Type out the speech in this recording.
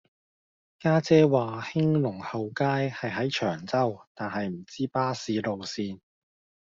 家姐話興隆後街係喺長洲但係唔知巴士路線